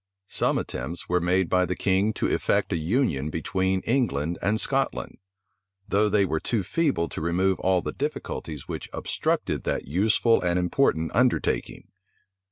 Some attempts were made by the king to effect a union between England and Scotland; though they were too feeble to remove all the difficulties which obstructed that useful and important undertaking.